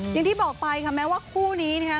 อย่างที่บอกไปค่ะแม้ว่าคู่นี้นะคะ